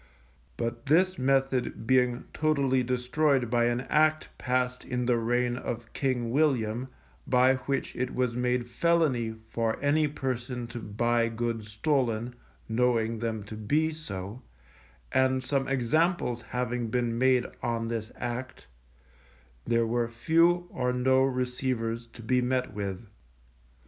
But this method being totally destroyed by an Act passed in the reign of King William, by which it was made felony for any person to buy goods stolen, knowing them to be so, and some examples having been made on this Act, there were few or no receivers to be met with.